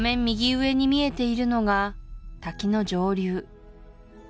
右上に見えているのが滝の上流